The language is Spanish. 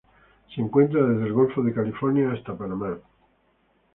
Se encuentra desde el Golfo de California hasta Panamá.